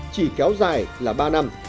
chỉ kéo dài là ba năm